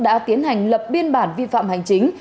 đã tiến hành lập biên bản vi phạm hành chính